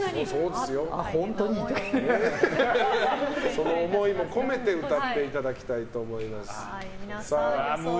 その思いも込めて歌っていただきたいと思います。